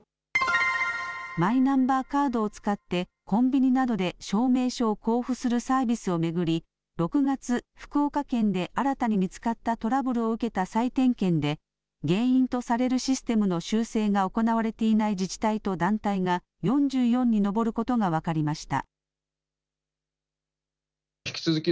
マイナンバーカードを使って、コンビニなどで証明書を交付するサービスを巡り、６月、福岡県で新たに見つかったトラブルを受けた再点検で、原因とされるシステムの修正が行われていない自治体と団体が、４４に上ることが分かりました。